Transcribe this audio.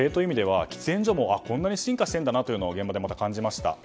こんなに進化しているんだなと現場で感じました。